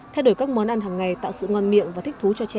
thay đổi các món ăn hằng ngày tạo sự ngon miệng và thích thú cho trẻ khi ăn